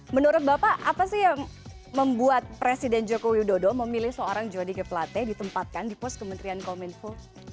menurut bapak apa sih yang membuat presiden joko widodo memilih seorang jody g plate ditempatkan di pos kementerian kominfo